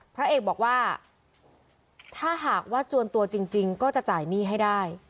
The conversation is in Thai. พระเอกบอกว่าถ้าหากว่าจวนตัวจริงก็จะจ่ายหนี้ให้ได้